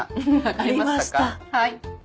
ありました。